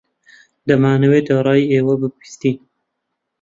دەمانەوێت ڕای ئێوە ببیستین.